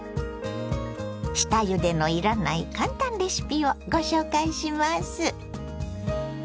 下ゆでのいらない簡単レシピをご紹介します！